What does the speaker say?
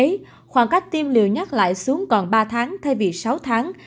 bộ y tế khoảng cách tiêm liều nhắc lại xuống còn ba tháng thay vì sáu tháng